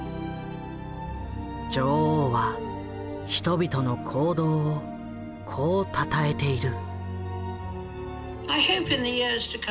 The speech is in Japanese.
女王は人々の行動をこうたたえている。